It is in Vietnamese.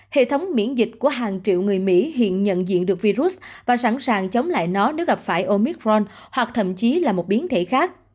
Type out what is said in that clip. hệ thống miễn dịch của hàng triệu người mỹ hiện nhận diện được virus và sẵn sàng chống lại nó nếu gặp phải omicron hoặc thậm chí là một biến thể khác